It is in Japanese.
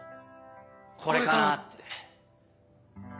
これかなって。